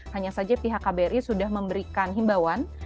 hanya saja pihak kbri sudah memberikan himbauan